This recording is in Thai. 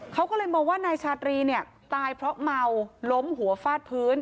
เขาก็เลยมองว่านายชาตรีเนี่ยตายเพราะเมาล้มหัวฟาดพื้น